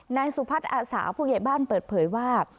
นายสุพัฒน์อาสาผู้ใหญ่บ้านเปิดเผยว่า